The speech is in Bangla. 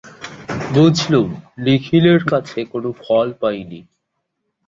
বুঝলুম, নিখিলের কাছে কোনো ফল পায় নি।